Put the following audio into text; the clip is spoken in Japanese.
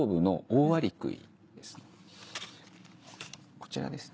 こちらですね。